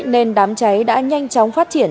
nên đám cháy đã nhanh chóng phát triển